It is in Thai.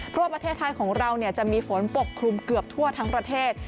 เพราะว่าประเทศไทยของเราจะมีฝนปกคลุมเกือบทั่วทั้งประเทศ